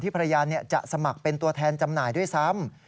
ภรรยาจะสมัครเป็นตัวแทนจำหน่ายด้วยซ้ำ